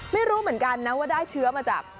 ไม่รู้เหมือนกันนะว่าได้เชื้อมาจาก